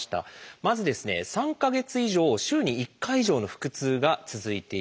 まずですね３か月以上週に１回以上の腹痛が続いている。